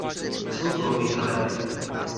Jsou blogy a weby.